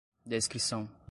descrição